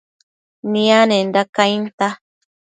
nianenda cainta